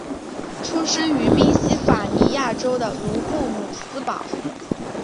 出生于宾夕法尼亚州的布卢姆斯堡。